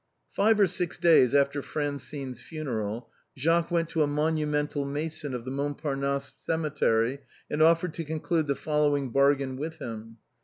Five or six days after Francine's funeral, Jacques went to a monumental mason of the Montparnasse cemetery and offered to conclude the following bargain with him.